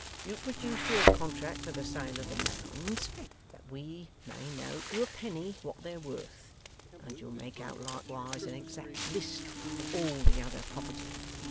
You'll produce your contract for the sale of the Mounds, that we may know to a penny what they're worth, and you'll make out likewise an exact list of all the other property.